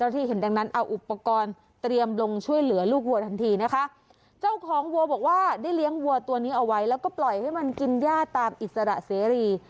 ที่เห็นดังนั้นเอาอุปกรณ์เตรียมลงช่วยเหลือลูกวัวทันทีนะคะเจ้าของวัวบอกว่าได้เลี้ยงวัวตัวนี้เอาไว้แล้วก็ปล่อยให้มันกินย่าตามอิสระเสรี